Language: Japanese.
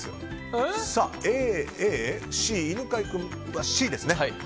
Ａ、Ａ、Ｃ、犬飼君はＣですね。